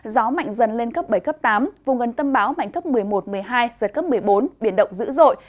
gió mạnh dần lên cấp bảy cấp tám vùng gần tâm bão mạnh cấp một mươi một một mươi hai giật cấp một mươi bốn biển động dữ dội